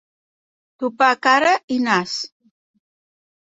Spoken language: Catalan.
Topar cara i nas.